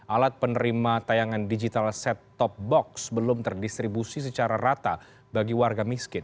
alat penerima tayangan digital set top box belum terdistribusi secara rata bagi warga miskin